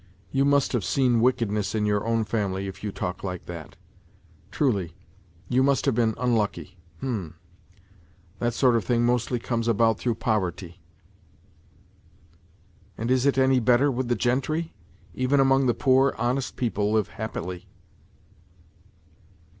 You must have seen wickedness in your own family, if you talk like that. Truly, you must have been unlucky. H'm !... that sort of thing mostly comes about through poverty." " And is it any better with the gentry ? Even among the poor, honest people live happily."